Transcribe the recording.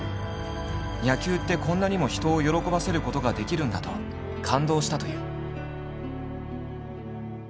野球ってこんなにも人を喜ばせることができるんだと感動したという。